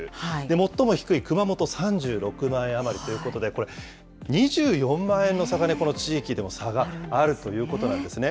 最も低い熊本、３６万円余りということで、これ、２４万円の差が、この地域でも差があるということなんですね。